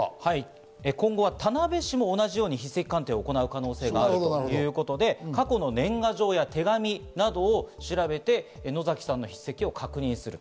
田辺市も同じように筆跡鑑定を行う可能性があるということで、過去の年賀状や手紙などを調べて、野崎さんの筆跡を確認すると。